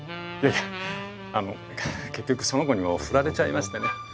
あの結局その子にも振られちゃいましてね。